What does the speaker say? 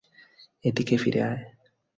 এদিকে ফিরে আয়!